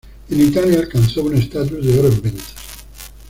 En Italia, alcanzó un estatus de oro en ventas.